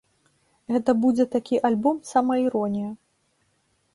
Гэта будзе такі альбом-самаіронія.